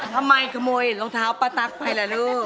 ทำไมขโมยรองเท้าป้าตั๊กไปล่ะลูก